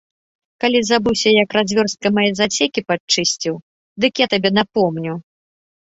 Калі забыўся, як развёрсткай мае засекі падчысціў, дык я табе напомню.